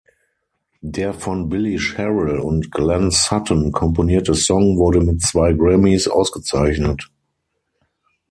Der von Billy Sherrill und Glenn Sutton komponierte Song wurde mit zwei Grammys ausgezeichnet.